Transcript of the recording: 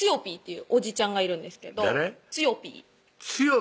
ぴーっていうおじちゃんがいるんですけど誰？